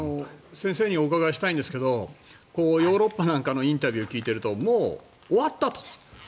先生にお伺いしたいんですがヨーロッパなんかのインタビューを聞いているともう終わったと。